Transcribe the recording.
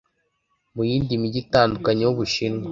mu yindi mijyi itandukanye y'Ubushinwa